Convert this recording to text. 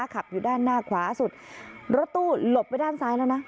ขับอยู่ด้านหน้าขวาสุดรถตู้หลบไปด้านซ้ายแล้วนะ